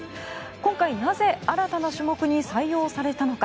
今回、なぜ新たな種目に採用されたのか。